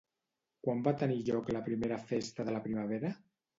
Quan va tenir lloc la I Festa de la Primavera?